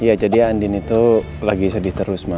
iya jadi andin itu lagi sedih terus ma